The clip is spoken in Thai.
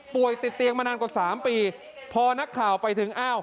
ติดเตียงมานานกว่า๓ปีพอนักข่าวไปถึงอ้าว